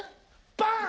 パン！